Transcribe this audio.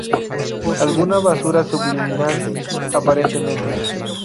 Alguna basura subliminal, aparentemente.